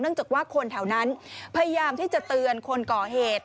จากว่าคนแถวนั้นพยายามที่จะเตือนคนก่อเหตุ